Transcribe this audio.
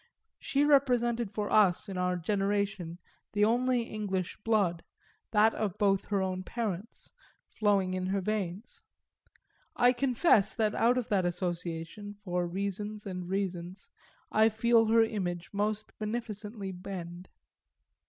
She represented for us in our generation the only English blood that of both her own parents flowing in our veins; I confess that out of that association, for reasons and reasons, I feel her image most beneficently bend.